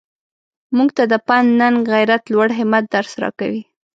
موږ ته د پند ننګ غیرت لوړ همت درس راکوي.